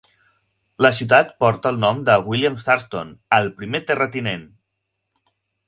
La ciutat porta el nom de William Thurston, el primer terratinent.